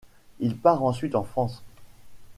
Il part ensuite en France.